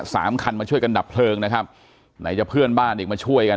สามคันมาช่วยกันดับเพลิงนะครับไหนจะเพื่อนบ้านอีกมาช่วยกัน